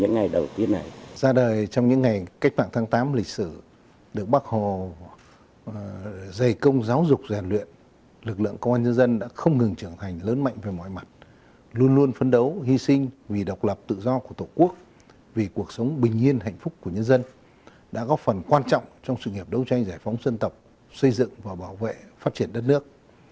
những ngày đầu tiên này ra đời trong những ngày cách mạng tháng tám lịch sử được bác hồ dày công giáo dục giàn luyện lực lượng công an nhân dân đã không ngừng trưởng thành lớn mạnh về mọi mặt luôn luôn phấn đấu hy sinh vì độc lập tự do của tổ quốc vì cuộc sống bình yên hạnh phúc của nhân dân đã góp phần quan trọng trong sự nghiệp đấu tranh giải phóng dân tộc xây dựng và bảo vệ phát triển đất nước